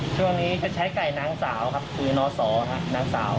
ช่วงนี้จะใช้ไก่น้องสาวครับคือน้อสอครับน้องสาว